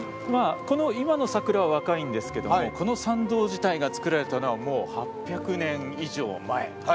この今の桜は若いんですがこの参道自体が作られたのはもう８００年以上前。